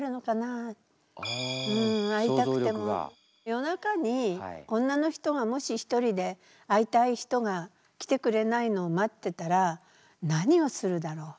夜中に女の人がもし一人で会いたい人が来てくれないのを待ってたら何をするだろう？